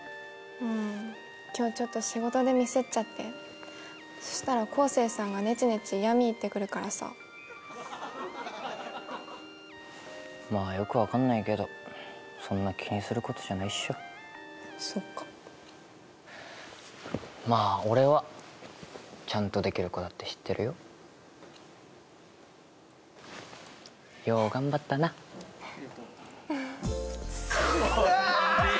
うん今日ちょっと仕事でミスっちゃってそしたら昴生さんがねちねち嫌み言ってくるからさまあよく分かんないけどそんな気にすることじゃないっしょそっかまあ俺はちゃんとできる子だって知ってるよよう頑張ったなうわ